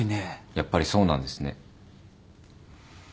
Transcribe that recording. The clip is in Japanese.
やっぱりそうなんですね。